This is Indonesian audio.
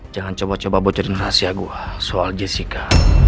jangan coba coba bocorin rahasia gue soal jessica